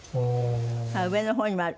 「ああ」上の方にもある。